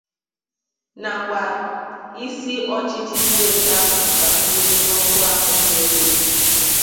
nakwa isi ọchịchị steeti ahụ maka mbuli n'ọkwa ahụ dị elu